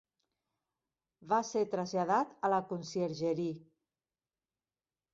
Va ser traslladat a la "Conciergerie".